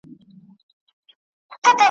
یا مي لور په نکاح ومنه خپل ځان ته `